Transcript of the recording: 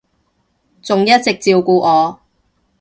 仲一直照顧我